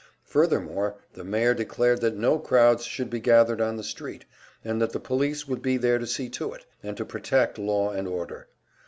Furthermore, the mayor declared that no crowds should be gathered on the street, and that the police would be there to see to it, and to protect law and order.